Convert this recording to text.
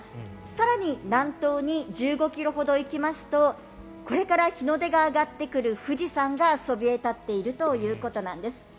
更に南東に１５ｋｍほど行きますとこれから日の出が上がってくる富士山がそびえ立っているということなんです。